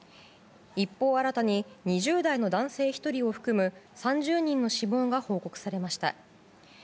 一方、新たに２０代の男性１人を含む３０人の死亡が報告されました。